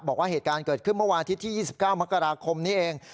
บอกว่าเหตุการณ์เกิดขึ้นเมื่อวานอาทิตย์ที่๒๙มกราคมนี้เอง